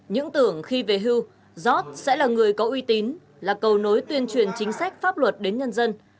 những tưởng khi về hưu giót sẽ là người có uy tín là cầu nối tuyên truyền chính sách pháp luật đến nhân dân